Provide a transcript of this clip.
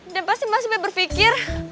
dan pasti mas be berfikir